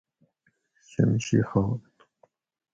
شمشی خان